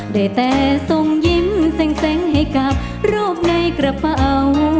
ได้แต่ส่งยิ้มเซ้งให้กับรูปในกระเป๋า